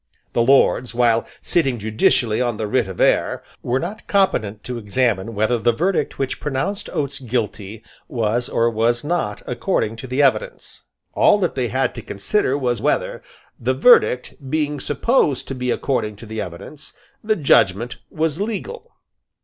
The Lords, while sitting judicially on the writ of error, were not competent to examine whether the verdict which pronounced Gates guilty was or was not according to the evidence. All that they had to consider was whether, the verdict being supposed to be according to the evidence, the judgment was legal.